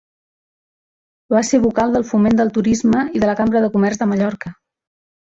Va ser vocal del Foment del Turisme i de la Cambra de Comerç de Mallorca.